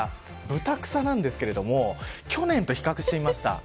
ブタクサなんですけれども去年と比較してみました。